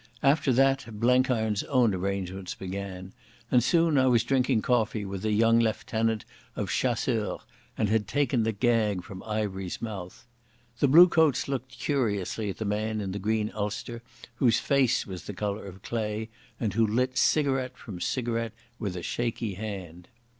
After that, Blenkiron's own arrangements began, and soon I was drinking coffee with a young lieutenant of Chasseurs, and had taken the gag from Ivery's mouth. The bluecoats looked curiously at the man in the green ulster whose face was the colour of clay and who lit cigarette from cigarette with a shaky hand.